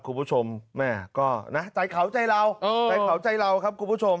คุณผู้ชมแม่ก็นะใจเขาใจเราใจเขาใจเราครับคุณผู้ชม